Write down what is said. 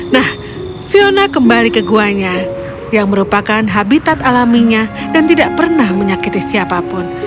nah fiona kembali ke guanya yang merupakan habitat alaminya dan tidak pernah menyakiti siapapun